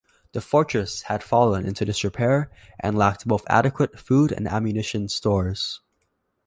The fortress had fallen into disrepair and lacked both adequate food and ammunition stores.